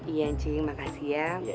iya ancing makasih ya